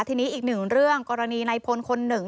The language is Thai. ทีนี้อีกหนึ่งเรื่องกรณีในพลคนหนึ่ง